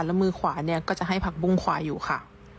แล้วมือขวาเนี่ยก็จะให้ผักบุ้งควายอยู่ค่ะ